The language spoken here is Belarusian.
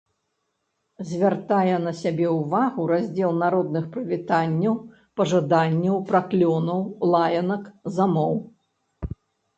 Звяртае на сябе ўвагу раздзел народных прывітанняў, пажаданняў, праклёнаў, лаянак, замоў.